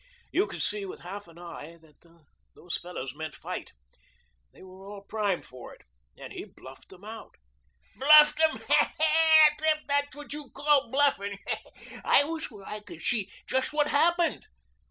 You could see with half an eye that those fellows meant fight. They were all primed for it and he bluffed them out." "Bluffed them huh! If that's what you call bluffing. I was where I could see just what happened.